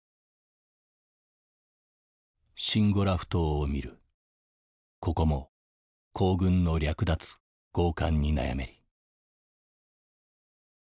「シンゴラ埠頭を見るここも皇軍の掠奪強姦に悩めり」。